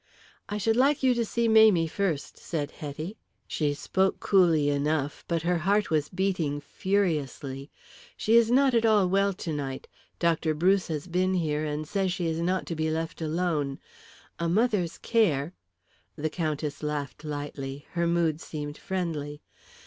"I should like you to see Mamie first," said Hetty. She spoke coolly enough, but her heart was beating furiously. "She is not at all well tonight. Dr. Bruce has been here, and says she is not to be left alone. A mother's care " The Countess laughed lightly. Her mood seemed friendly.